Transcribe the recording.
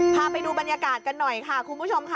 พาไปดูบรรยากาศกันหน่อยค่ะคุณผู้ชมค่ะ